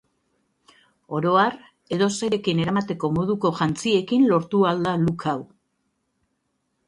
Oro har, edozerekin eramateko moduko jantziekin lortu ahal da look hau.